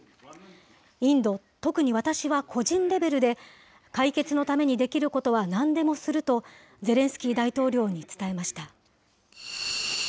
インド、特に私は個人レベルで、解決のためにできることはなんでもすると、ゼレンスキー大統領に伝えました。